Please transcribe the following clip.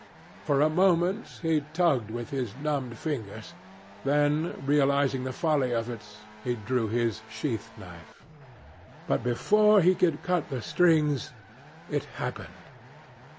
For a moment he tugged with his numbed fingers, then, realizing the folly of it, he drew his sheath knife. But before he could cut the strings, it happened.